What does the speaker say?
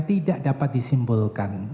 tidak dapat disimpulkan